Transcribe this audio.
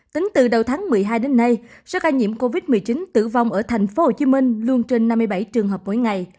tính từ đầu tháng một mươi hai đến nay số ca nhiễm covid một mươi chín tử vong ở tp hcm luôn trên năm mươi bảy trường hợp mỗi ngày